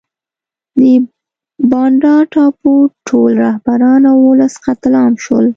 د بانډا ټاپو ټول رهبران او ولس قتل عام شول.